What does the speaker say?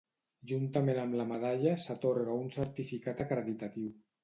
Juntament amb la medalla s'atorga un certificat acreditatiu.